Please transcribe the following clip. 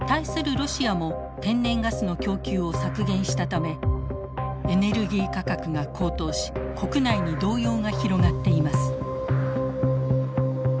ロシアも天然ガスの供給を削減したためエネルギー価格が高騰し国内に動揺が広がっています。